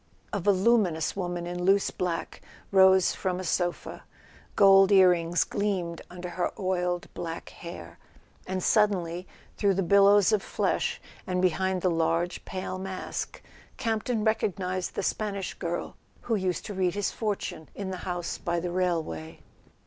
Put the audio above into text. A voluminous woman in loose black rose from a sofa. Gold ear rings gleamed under her oiled black hair—and suddenly, through the billows of flesh, and behind the large pale mask, Campton recog¬ nized the Spanish girl who used to read his fortune in the house by the railway.